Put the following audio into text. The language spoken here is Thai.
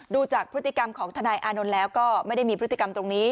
ดูจากพฤติกรรมของทนายอานนท์แล้วก็ไม่ได้มีพฤติกรรมตรงนี้